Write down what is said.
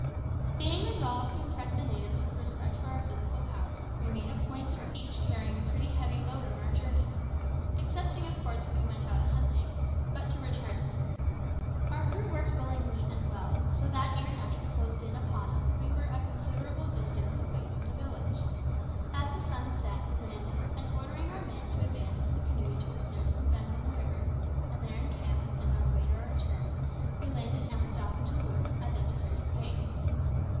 Being resolved to impress the natives with a respect for our physical powers, we made a point of each carrying a pretty heavy load on our journeys excepting, of course, when we went out a hunting. But to return. Our crew worked willingly and well, so that ere night closed in upon us we were a considerable distance away from the village. As the sun set we landed, and ordering our men to advance in the canoe to a certain bend in the river, and there encamp and await our return, we landed and went off into the woods as if to search for game.